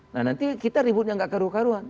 nah nanti kita ributnya nggak keruh keruhan